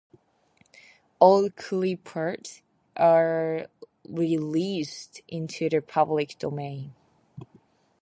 All Clipart are Released into the Public Domain.